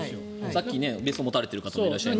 さっき、別荘を持たれている方もいらっしゃったし。